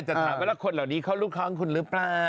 จะถามว่าคนเหล่านี้เข้าลูกค้าของคุณหรือเปล่า